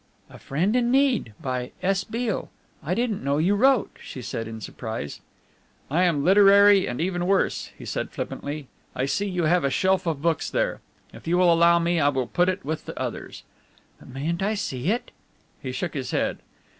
"'A Friend in Need,' by S. Beale. I didn't know you wrote!" she said in surprise. "I am literary and even worse," he said flippantly. "I see you have a shelf of books here. If you will allow me I will put it with the others." "But mayn't I see it?" He shook his head.